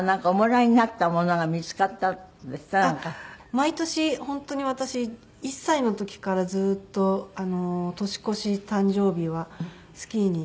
毎年本当に私１歳の時からずっと年越し誕生日はスキーに家族で。